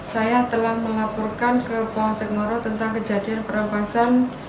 saya telah melaporkan ke pohon sekmoro tentang kejadian perampasan